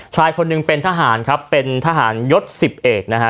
ชายคนหนึ่งเป็นทหารครับเป็นทหารยศสิบเอกนะฮะ